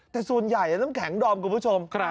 แต่ส่วนใหญ่น้ำแข็งดอมคุณผู้ชม